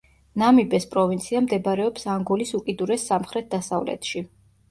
ნამიბეს პროვინცია მდებარეობს ანგოლის უკიდურეს სამხრეთ-დასავლეთში.